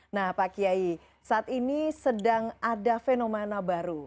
nah pak kiai saat ini sedang ada fenomena baru